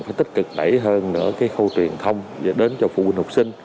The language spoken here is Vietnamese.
phải tích cực đẩy hơn nữa cái khâu truyền thông đến cho phụ huynh học sinh